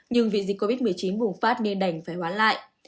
nhưng vì dịch covid một mươi chín bùng phát nên đành phải hoãn lại